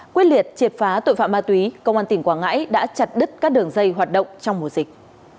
quyết liệt triệt phá tội phạm ma túy công an tỉnh quảng ngãi đã chặt đứt các đường dây hoạt động trong mùa dịch